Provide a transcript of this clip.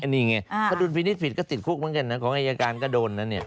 นี่ไงถ้าดุลพินิษฐผิดก็ติดคุกเหมือนกันนะของอายการก็โดนนะเนี่ย